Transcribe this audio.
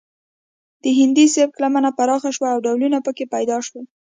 د هندي سبک لمن پراخه شوه او ډولونه پکې پیدا شول